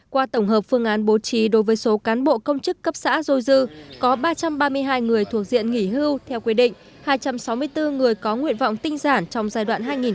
qua tổng hợp phương án bố trí đối với số cán bộ công chức cấp xã dôi dư có ba trăm ba mươi hai người thuộc diện nghỉ hưu theo quy định hai trăm sáu mươi bốn người có nguyện vọng tinh giản trong giai đoạn hai nghìn một mươi sáu hai nghìn hai mươi